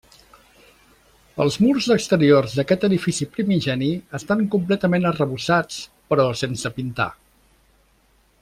Els murs exteriors d'aquest edifici primigeni, estan completament arrebossats però sense pintar.